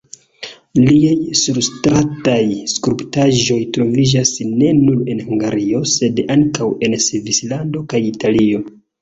Liaj surstrataj skulptaĵoj troviĝas ne nur en Hungario, sed ankaŭ en Svislando kaj Italio.